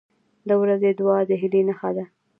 • د ورځې دعا د هیلې نښه ده.